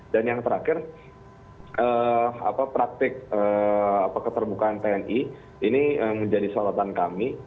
dan yang terakhir praktik keterbukaan tni ini menjadi solatan kami